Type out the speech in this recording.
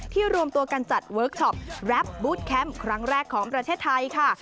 รวมตัวกันจัดเวิร์คชอปแรปบูธแคมป์ครั้งแรกของประเทศไทยค่ะ